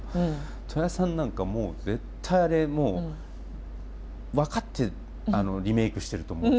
戸谷さんなんか絶対あれもう分かってリメイクしてると思うんです。